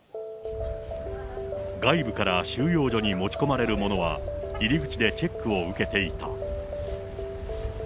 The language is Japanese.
外部から収容所に持ち込まれるものは、入り口でチェックを受けていた。